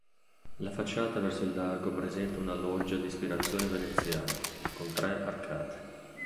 La facciata verso il lago presenta una loggia di ispirazione veneziana, con tre arcate.